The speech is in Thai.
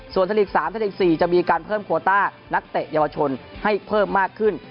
ส่วนไทยลีก๓ไทยลีก๔จะมีการเพิ่มโคต้านักเตะเยาวชนให้เพิ่มมากขึ้น